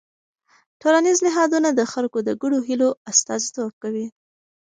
ټولنیز نهادونه د خلکو د ګډو هيلو استازیتوب کوي.